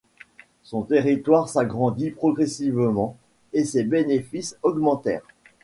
Son territoire s'agrandit progressivement et ses bénéfices augmentèrent.